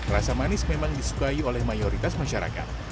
rasa manis memang disukai oleh mayoritas masyarakat